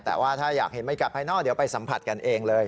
แต่ว่าถ้าอยากเห็นบรรยากาศภายนอกเดี๋ยวไปสัมผัสกันเองเลย